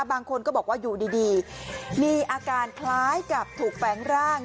บางคนก็บอกว่าอยู่ดีมีอาการคล้ายกับถูกแฝงร่าง